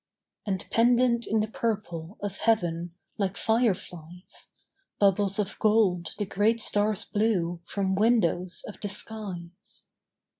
And pendent in the purple Of heaven, like fireflies, Bubbles of gold the great stars blew From windows of the skies.